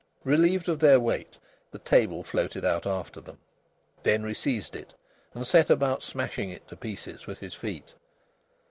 Relieved of their weight the table floated out after them. Denry seized it, and set about smashing it to pieces with his feet.